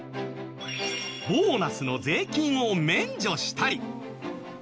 ボーナスの税金を免除したり。